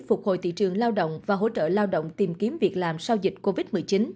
phục hồi thị trường lao động và hỗ trợ lao động tìm kiếm việc làm sau dịch covid một mươi chín